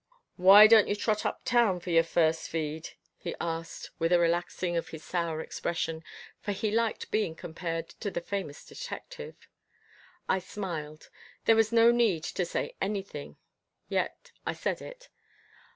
"Why don't you trot uptown for your first feed?" he asked with a relaxing of his sour expression, for he liked being compared to the famous detective. I smiled. There was no need to say anything, yet I said it.